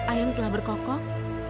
ayam telah berkokok